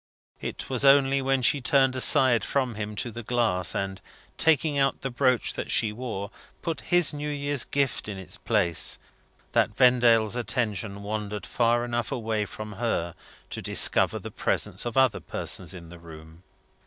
It was only when she turned aside from him to the glass, and, taking out the brooch that she wore, put his New Year's gift in its place, that Vendale's attention wandered far enough away from her to discover the presence of other persons in the room.